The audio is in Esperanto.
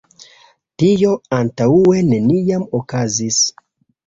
Tio antaŭe neniam okazis.